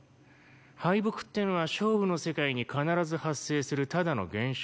敗北ってのは勝負の世界に必ず発生するただの現象だ。